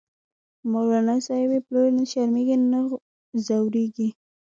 مولانا صاحب یی پلوری، نه شرمیزی نه ځوریږی